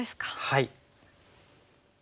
はい。